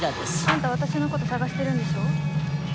あんた私のこと捜してるんでしょ？